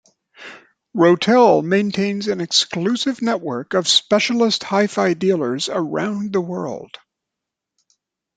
Rotel maintains an exclusive network of specialist hi-fi dealers around the world.